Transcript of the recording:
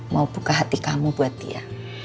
mau buka hati kamu buat dia